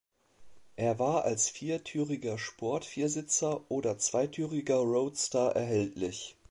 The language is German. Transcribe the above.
Es war als viertüriger Sport-Viersitzer oder zweitüriger Roadster erhältlich.